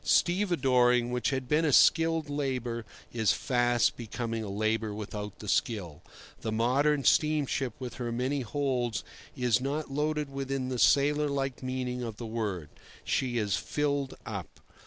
Stevedoring, which had been a skilled labour, is fast becoming a labour without the skill. The modern steamship with her many holds is not loaded within the sailor like meaning of the word. She is filled up.